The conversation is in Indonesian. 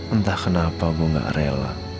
entah kenapa gue gak rela